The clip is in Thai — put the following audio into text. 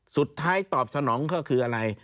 สุดท้ายตอบสนองก็คืออะไร